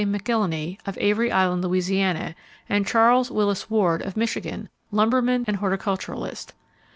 McIlhenny, of Avery Island, La., and Charles Willis Ward, of Michigan, lumberman and horticulturist.